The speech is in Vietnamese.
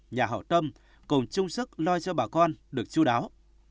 nhà hậu tâm cùng chung sức loa cho bà con được chú đáo